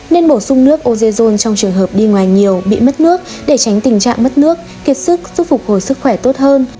nên bổ sung nước ozejon trong trường hợp đi ngoài nhiều bị mất nước để tránh tình trạng mất nước kiệt sức giúp phục hồi sức khỏe tốt hơn